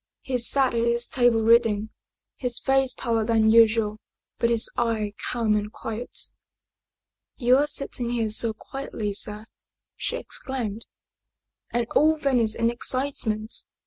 He sat at his table reading, his face paler than usual, but his eye calm and quiet. " You are sitting here so quietly, sir!" she exclaimed. "And all Venice in excitement?